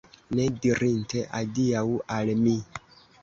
Ne dirinte adiaŭ al mi!